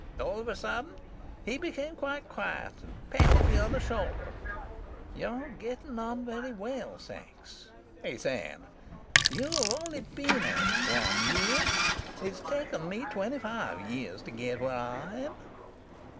"All of a sudden he became quite quiet, and patted me on the shoulder. 'You're getting on very well, Sachs,' he said. 'You've only been at it one year. It's taken me twenty five years to get where I am.'